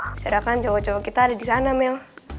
misalnya kan cowok cowok kita ada di sana mel